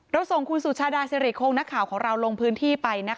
ส่งคุณสุชาดาสิริคงนักข่าวของเราลงพื้นที่ไป